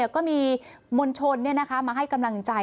ก็มีมวลชนมาให้กำลังใจ